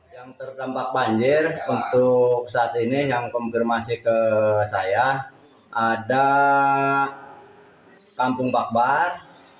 yang terdampak banjir untuk saat ini yang konfirmasi ke saya ada kampung bakbar